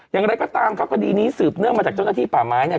อย่างไรก็ตามครับคดีนี้สืบเนื่องมาจากเจ้าหน้าที่ป่าไม้เนี่ย